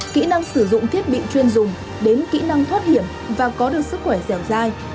kỹ năng sử dụng thiết bị chuyên dùng đến kỹ năng thoát hiểm và có được sức khỏe dẻo dai